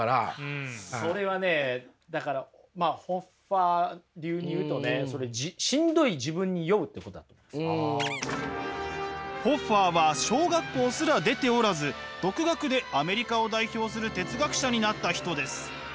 それはねだからホッファー流に言うとねホッファーは小学校すら出ておらず独学でアメリカを代表する哲学者になった人です。